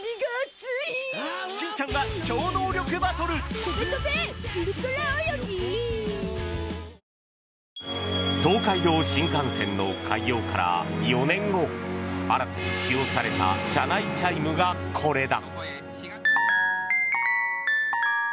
光のキッチンザ・クラッソ東海道新幹線の開業から４年後新たに使用された車内チャイムがこれだ。